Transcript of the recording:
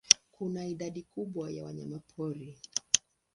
Kuna idadi kubwa ya wanyamapori.